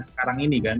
sekarang ini kan